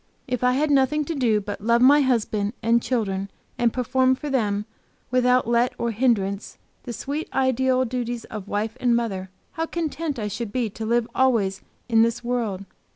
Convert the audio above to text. If I had nothing to do but love my husband and children and perform for them, without let or hindrance, the sweet ideal duties of wife and mother, how content I should be to live always in this world!